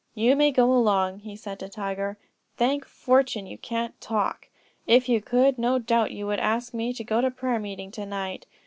"You may go along," he said to Tiger; "thank fortune you can't talk; if you could no doubt you would ask me to go to prayer meeting to night.